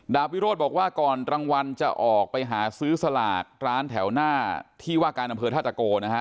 วิโรธบอกว่าก่อนรางวัลจะออกไปหาซื้อสลากร้านแถวหน้าที่ว่าการอำเภอท่าตะโกนะฮะ